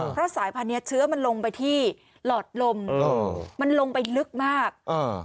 เพราะสายพันธุนี้เชื้อมันลงไปที่หลอดลมมันลงไปลึกมากอ่า